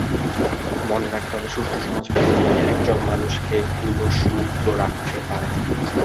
মনে রাখতে হবে, সুষ্ঠু সমাজ প্রতিষ্ঠাই একজন মানুষকে কলুষমুক্ত রাখতে পারে।